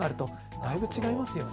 だいぶ違いますよね。